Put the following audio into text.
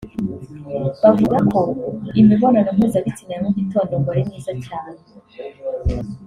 bavuga ko imibonano mpuzabitsina ya mu gitondo ngo ari myiza cyane